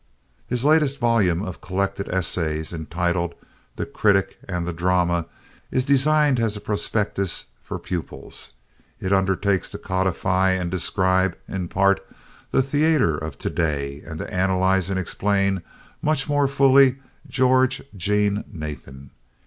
His latest volume of collected essays, entitled "The Critic and the Drama," is designed as a prospectus for pupils. It undertakes to codify and describe in part the theater of to day and to analyze and explain much more fully George Jean Nathan.